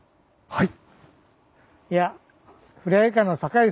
はい。